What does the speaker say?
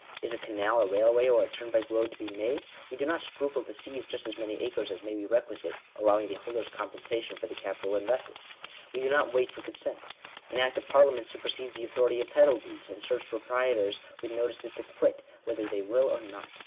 Is a canal, a railway, or a turnpike road to be made ? we do not scruple to seize just as many acres as may be requisite ; 'allowing the holders compensation for the capital invested. We do not wait for consent. An Act of Parliament supersedes the authority of title deeds, and serves proprietors with notices to quit, whether they will or not.